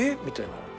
みたいな。